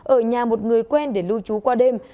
ở nhà một người quen để lưu trú qua đêm